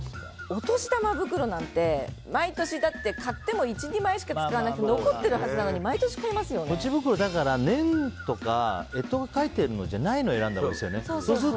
お年玉袋なんて毎年買っても１２枚しか使わなくて残ってるはずなのにポチ袋、年とか干支が書いてるのじゃないの選んだほうがいいですよね。